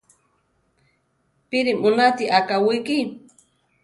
¿Píri mu náti akáwiki?